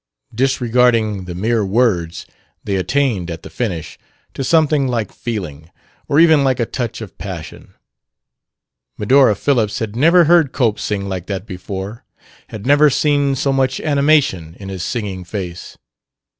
Disregarding the mere words, they attained, at the finish, to something like feeling or even like a touch of passion. Medora Phillips had never heard Cope sing like that before; had never seen so much animation in his singing face.